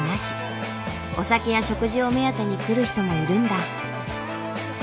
お酒や食事を目当てに来る人もいるんだ。